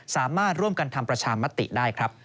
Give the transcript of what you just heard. สามารถร่วมกันทำประชามติได้ครับ